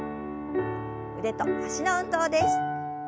腕と脚の運動です。